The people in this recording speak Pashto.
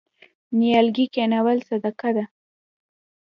نیالګي کینول صدقه ده.